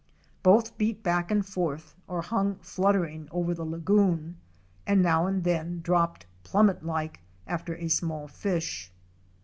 Both beat back and forth, or hung fluttering over the lagoon, and now and then dropped plummet like after a small fish.